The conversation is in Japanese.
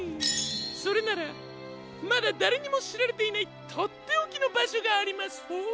それならまだだれにもしられていないとっておきのばしょがありますホォー。